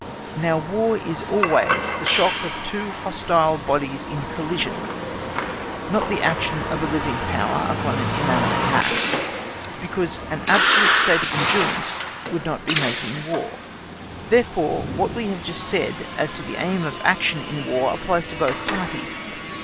Now War is always the shock of two hostile bodies in collision, not the action of a living power upon an inanimate mass, because an absolute state of endurance would not be making War; therefore, what we have just said as to the aim of action in War applies to both parties.